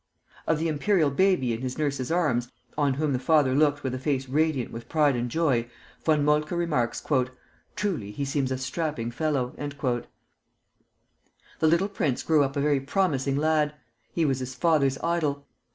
Of the imperial baby in his nurse's arms, on whom the father looked with a face radiant with pride and joy, Von Moltke remarks: "Truly, he seems a strapping fellow." The little prince grew up a very promising lad. He was his father's idol.